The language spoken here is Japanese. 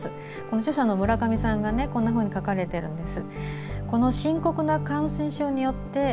著者の村上さんがこんなふうに書かれているんです。